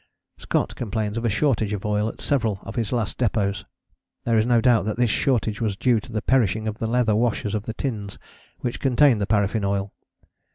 Scott complains of a shortage of oil at several of his last depôts. There is no doubt that this shortage was due to the perishing of the leather washers of the tins which contained the paraffin oil.